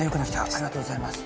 ありがとうございます。